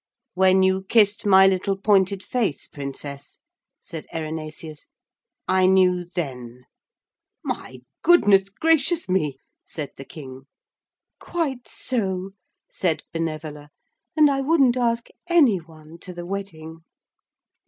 'When you kissed my little pointed face, Princess,' said Erinaceus, 'I knew then.' 'My goodness gracious me,' said the King. 'Quite so,' said Benevola, 'and I wouldn't ask any one to the wedding.'